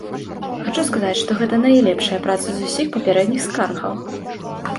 Хачу сказаць, што гэта найлепшая праца з усіх папярэдніх скаргаў.